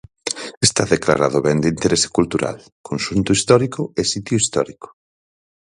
Está declarado Ben de Interese Cultural, Conxunto Histórico e Sitio Histórico.